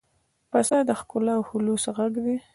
پسه د ښکلا او خلوص غږ دی.